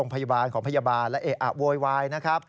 พยาบาลรับเอออโวยวายนะครับ